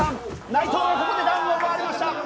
内藤がここでダウンを奪われました。